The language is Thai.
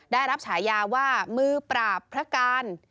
ได้รับฉายาว่ามือปราบพระการ